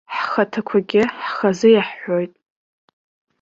Ҳхаҭақәагьы ҳхазы иаҳҳәоит.